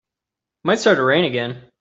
Might start to rain again.